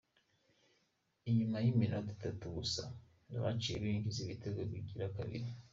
Inyuma y'iminota itatu gusa, baciye binjiza igitego kigira kabiri.